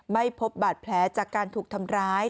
ไม่พบบาดแผลจากการถูกทำร้าย